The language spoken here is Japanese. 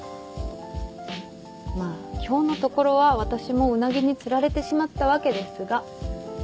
まぁ今日のところは私もうなぎに釣られてしまったわけですが。